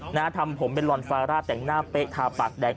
นะฮะทำผมเป็นลอนฟาร่าแต่งหน้าเป๊ะทาปากแดง